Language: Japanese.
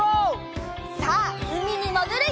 さあうみにもぐるよ！